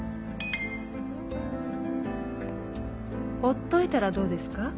「ほっといたらどうですか？